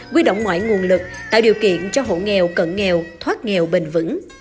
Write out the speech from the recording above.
quy động ngoại nguồn lực tạo điều kiện cho hộ nghèo cận nghèo thoát nghèo bền vững